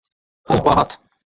Ha wa hat!